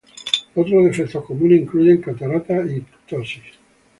Otros defectos comunes incluyen cataratas y ptosis.